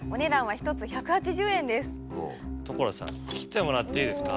所さん切ってもらっていいですか。